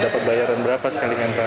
dapat bayaran berapa sekali mengantar